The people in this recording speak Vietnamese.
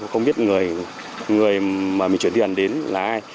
không biết người mà mình chuyển tiền đến là ai